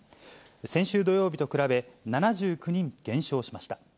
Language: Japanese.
先週土曜日と比べ、７９人減少しました。